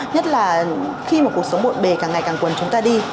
nhất là khi một cuộc sống bộn bề càng ngày càng cuồn chúng ta đi